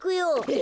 え！